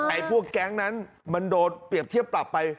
พวกแก๊งนั้นมันโดนเปรียบเทียบปรับไป